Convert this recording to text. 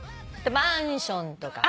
マンションとか。